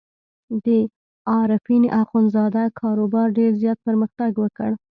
د عارفین اخندزاده کاروبار ډېر زیات پرمختګ وکړ.